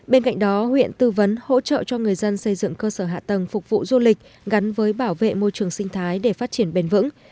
bên cạnh đó huyện tư vấn hỗ trợ cho người dân xây dựng cơ sở hạ tầng phục vụ du lịch gắn với bảo vệ môi trường sinh thái để phát triển bền vững